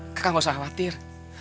kakak gak usah khawatir